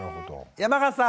山形さん